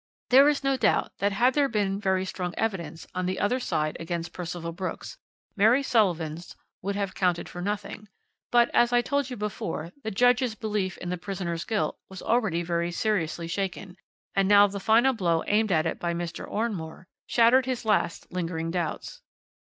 There is no doubt that had there been very strong evidence on the other side against Percival Brooks, Mary Sullivan's would have counted for nothing; but, as I told you before, the judge's belief in the prisoner's guilt was already very seriously shaken, and now the final blow aimed at it by Mr. Oranmore shattered his last lingering doubts.